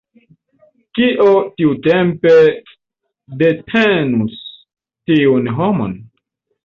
Kio tiumomente detenus tiun homon?